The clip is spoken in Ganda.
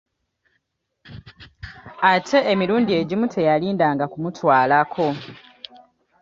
Anti emirundi egimu teyalindanga kumutwalako.